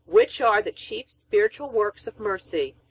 Which are the chief spiritual works of mercy?